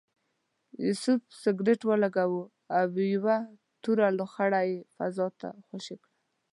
یوسف سګرټ ولګاوه او یوه توره لوخړه یې فضا ته خوشې کړه.